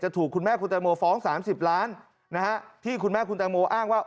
ถูกคุณแม่คุณแตงโมฟ้อง๓๐ล้านที่คุณแม่คุณแตงโมอ้างว่า